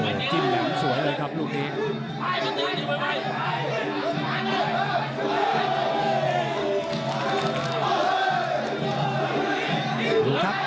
มันจิ้มแหลมสวยเลยครับลูกนี้